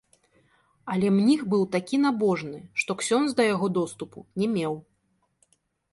Але мніх быў такі набожны, што ксёндз да яго доступу не меў.